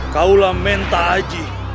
kaulah menta aji